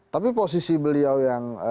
tapi posisi beliau yang